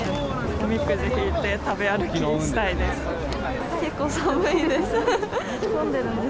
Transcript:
おみくじ引いて、食べ歩きし結構寒いです。